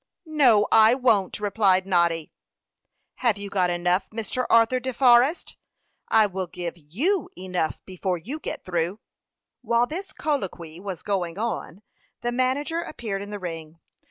"No, I won't!" replied Noddy. "Have you got enough, Mr. Arthur De Forrest?" "I will give you enough before you get through." While this colloquy was going on, the manager appeared in the ring.